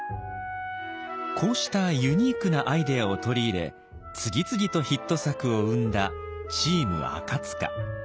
こうしたユニークなアイデアを取り入れ次々とヒット作を生んだチーム赤。